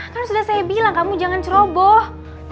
kan sudah saya bilang kamu jangan ceroboh